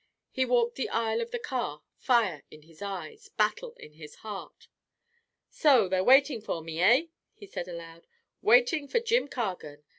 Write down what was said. He walked the aisle of the car, fire in his eyes, battle in his heart. "So they're waiting for me, eh?" he said aloud. "Waiting for Jim Cargan.